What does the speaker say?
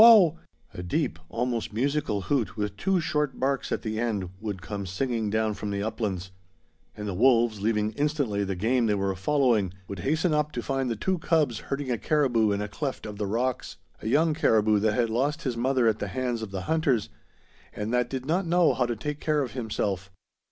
_ a deep, almost musical hoot with two short barks at the end, would come singing down from the uplands; and the wolves, leaving instantly the game they were following, would hasten up to find the two cubs herding a caribou in a cleft of the rocks, a young caribou that had lost his mother at the hands of the hunters, and that did not know how to take care of himself.